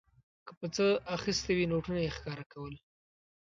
که په څه اخیستې وې نوټونه یې ښکاره کول.